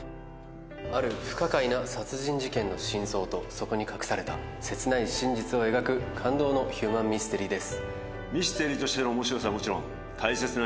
ある不可解な殺人事件の真相と、そこに隠されたせつない真実を描く感動のヒューマンミステリーです。